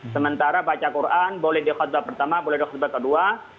sementara baca qur'an boleh di khutbah pertama boleh di khutbah kedua